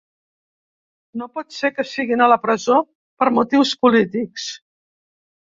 No pot ser que siguin a presó per motius polítics.